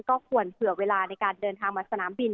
ก็ควรเผื่อเวลาในการเดินทางมาสนามบิน